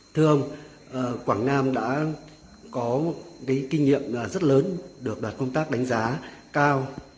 thưa ông quảng nam đã có kinh nghiệm rất lớn được đoạt công tác đánh giá cao